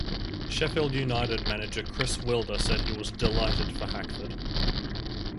Sheffield United manager Chris Wilder said he was "delighted" for Hackford.